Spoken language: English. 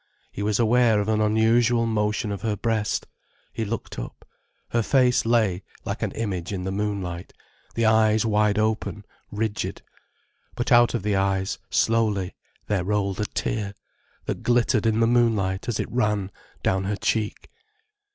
He was aware of an unusual motion of her breast. He looked up. Her face lay like an image in the moonlight, the eyes wide open, rigid. But out of the eyes, slowly, there rolled a tear, that glittered in the moonlight as it ran down her cheek.